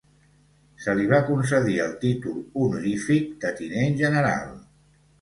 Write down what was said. Se li va concedir el títol honorífic de Tinent General.